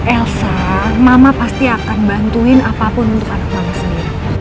elsa mama pasti akan bantuin apapun untuk anak bangsa